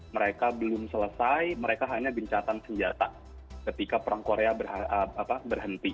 mereka belum selesai mereka hanya gencatan senjata ketika perang korea berhenti